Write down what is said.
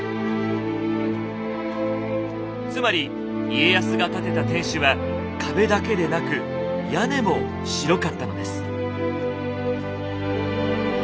つまり家康が建てた天守は壁だけでなく屋根も白かったのです。